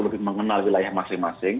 lebih mengenal wilayah masing masing